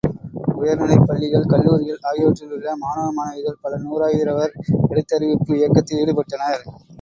உயர் நிலைப்பள்ளிகள், கல்லூரிகள் ஆகியவற்றிலுள்ள மாணவ மாணவிகள் பல நூறாயிரவர் எழுத்திதறிவிப்பு இயக்கத்தில் ஈடுபட்டனர்.